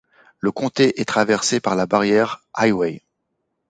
Le Comté est traversé par la Barrier Highway.